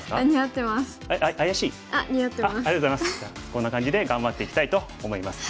こんな感じで頑張っていきたいと思います。